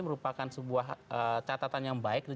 merupakan sebuah catatan yang baik